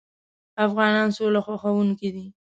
افغانان سوله خوښوونکي دي.